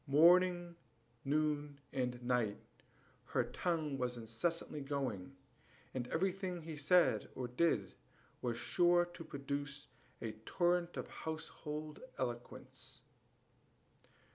Morning, noon, and night her tongue was incessantly going, and everything he said or did was sure to produce a torrent of household eloquence.